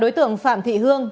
đối tượng phạm thị hương